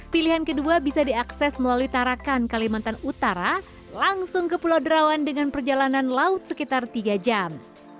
pilihan kedua bisa diakses melalui tarakan kalimantan utara langsung ke pulau derawan dengan perjalanan laut sekitar tiga jam